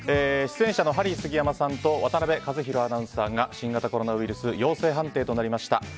出演者のハリー杉山さんと渡辺和洋アナウンサーが新型コロナウイルス陽性判定となりました。